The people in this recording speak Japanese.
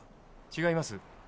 違います。